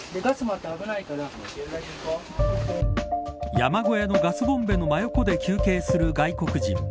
山小屋のガスボンベの真横で休憩する外国人。